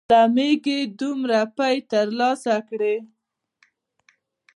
له مېږې دومره پۍ تر لاسه کړې.